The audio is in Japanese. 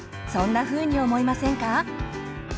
そんなふうに思いませんか？